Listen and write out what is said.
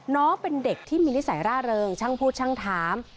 น้องเป็นเด็กที่มีนิสัยร่าเริงช่างพูดช่างถาม